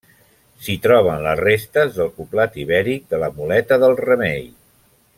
S'hi troben les restes del poblat ibèric de la Moleta del Remei.